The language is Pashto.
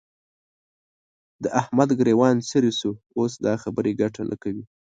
د احمد ګرېوان څيرې شو؛ اوس دا خبرې ګټه نه کوي.